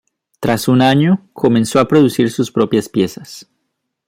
Tras un año comenzó a producir sus propias piezas.